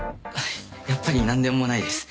やっぱり何でもないです。